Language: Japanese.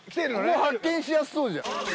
ここ発見しやすそうじゃん